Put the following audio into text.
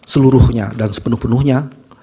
seluruhnya dan sepenuh penuhnya